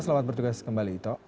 selamat bertugas kembali ito